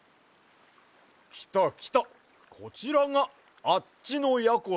きたきたこちらがあっちのやころだわ。